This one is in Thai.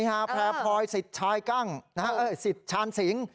นี่ฮะแพร่พลอยศิษย์ชาญสิงศ์